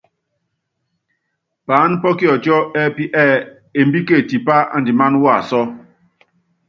Paáná pɔ́ kiɔtiɔ ɛ́pí ɛɛ: Embíke tipa andiman waasɔ.